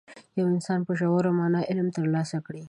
یو انسان په ژوره معنا علم ترلاسه کړي.